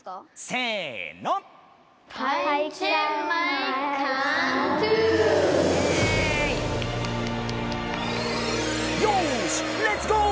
せの！よしレッツゴー！